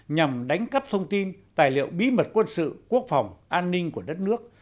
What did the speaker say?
nhằm đánh cắp thông tin tài liệu bí mật quân sự quốc phòng an ninh của đất nước